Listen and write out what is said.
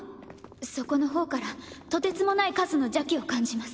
底のほうからとてつもない数の邪気を感じます。